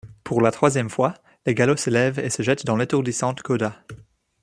Pour la troisième fois, les galops s'élèvent, et se jettent dans l'étourdissante coda.